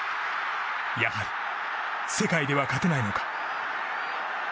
やはり世界では勝てないのか。